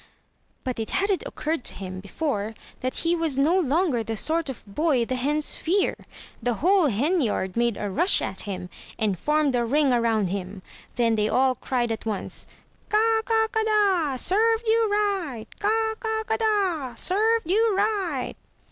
But it hadn't occurred to him before that he was no longer the sort of boy the hens fear. The whole henyard made a rush at him, and formed a ring aroimd him; then they all cried at once: "Ka, ka, kada, served you right! Ka, ka, kada, served you right!'